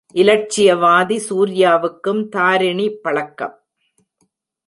இலட்சியவாதி சூர்யாவுக்கும் தாரிணி பழக்கம்!